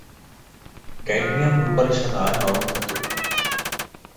Cadmium রূপালি সাদা নরম ধাতু।